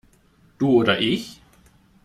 Du oder ich?